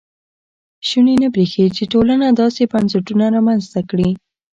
شونې نه برېښي چې ټولنه داسې بنسټونه رامنځته کړي.